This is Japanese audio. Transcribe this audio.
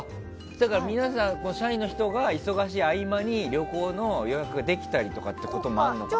だから皆さん社員の人が忙しい合間に旅行の予約ができたりということもあるのかな。